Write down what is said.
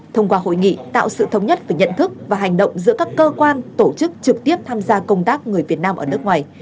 thông qua hội nghị tạo sự thống nhất về nhận thức và hành động giữa các cơ quan tổ chức trực tiếp tham gia công tác người việt nam ở nước ngoài